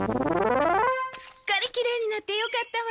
すっかりきれいになってよかったわ。